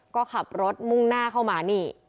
ก็ขับรถมุ่งหน้าเข้ามานี่